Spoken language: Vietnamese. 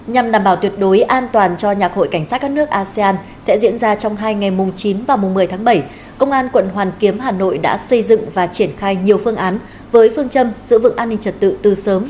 nhằm đảm bảo tuyệt đối an toàn cho nhạc hội cảnh sát các nước asean sẽ diễn ra trong hai ngày mùng chín và mùng một mươi tháng bảy công an quận hoàn kiếm hà nội đã xây dựng và triển khai nhiều phương án với phương châm giữ vững an ninh trật tự từ sớm